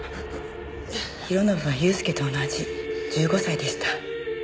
弘信は祐介と同じ１５歳でした。